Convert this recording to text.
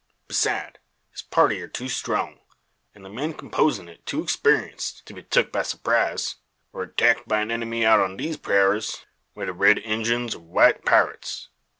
Beside, his party air too strong, an' the men composin' it too exparienced, to be tuk by surprise, or attacked by any enemy out on these purayras, whether red Injuns or white pirates.